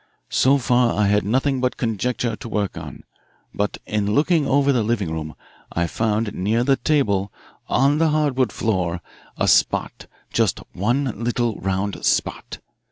So far I had nothing but conjecture to work on. But in looking over the living room I found near the table, on the hardwood floor, a spot just one little round spot.